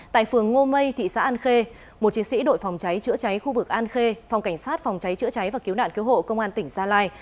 tại phường ngô mây thị xã an khê một chiến sĩ đội phòng cháy chữa cháy khu vực an khê phòng cảnh sát phòng cháy chữa cháy và cứu nạn cứu hộ công an tỉnh gia lai